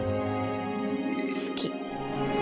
好き。